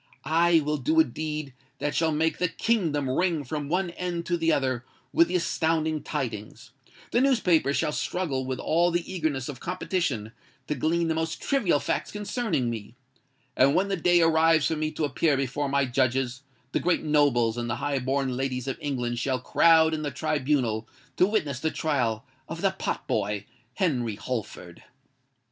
I will do a deed that shall make the Kingdom ring from one end to the other with the astounding tidings:—the newspapers shall struggle with all the eagerness of competition to glean the most trivial facts concerning me;—and when the day arrives for me to appear before my judges, the great nobles and the high born ladies of England shall crowd in the tribunal to witness the trial of the pot boy Henry Holford!"